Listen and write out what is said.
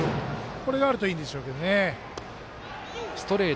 これがあるといいでしょうけどね。